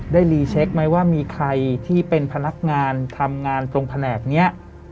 รีเช็คไหมว่ามีใครที่เป็นพนักงานทำงานตรงแผนกนี้